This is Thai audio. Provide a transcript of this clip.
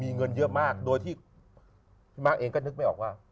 มีเงินเยอะมากโดยที่พี่มาร์คเองก็นึกไม่ออกว่า